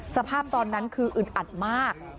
สภาพตอนนั้นคืออึดอัดมาก